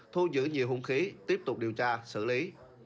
thu giữ nhiều hung khí tiếp tục điều tra xử lý